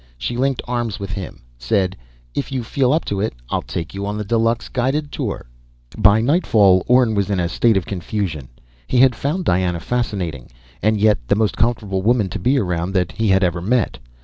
She linked arms with him, said: "If you feel up to it, I'll take you on the deluxe guided tour." By nightfall, Orne was in a state of confusion. He had found Diana fascinating, and yet the most comfortable woman to be around that he had ever met.